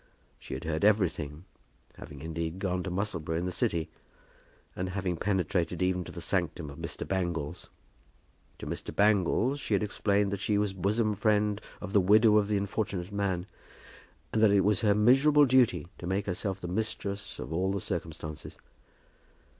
She had heard everything, having indeed gone to Musselboro in the City, and having penetrated even to the sanctum of Mr. Bangles. To Mr. Bangles she had explained that she was bosom friend of the widow of the unfortunate man, and that it was her miserable duty to make herself the mistress of all the circumstances.